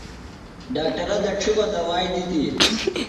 ڈاکٹرہ دڇھیۡ بہ دوائی دِتیۡ۔